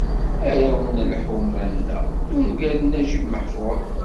"Arraw n lḥuma-nneɣ" d ungal n Naǧib Meḥfuḍ.